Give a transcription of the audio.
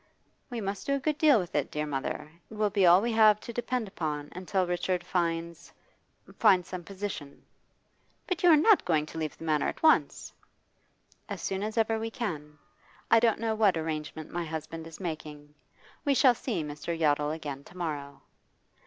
'We must do a good deal with it, dear mother. It will be all we have to depend upon until Richard finds finds some position.' 'But you are not going to leave the Manor at once?' 'As soon as ever we can. I don't know what arrangement my husband is making. We shall see Mr. Yottle again to morrow.